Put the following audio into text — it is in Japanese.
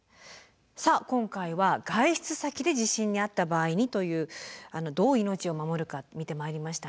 さあ今回は外出先で地震に遭った場合にというどう命を守るか見てまいりました。